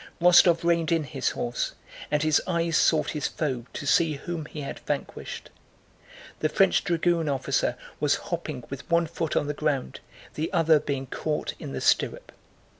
Rostóv reined in his horse, and his eyes sought his foe to see whom he had vanquished. The French dragoon officer was hopping with one foot on the ground, the other being caught in the stirrup.